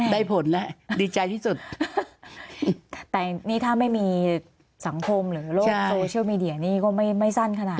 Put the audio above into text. ได้ผลแล้วดีใจที่สุดแต่นี่ถ้าไม่มีสังคมหรือโลกโซเชียลมีเดียนี่ก็ไม่ไม่สั้นขนาด